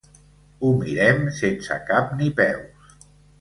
Ho mirem sense cap ni peus.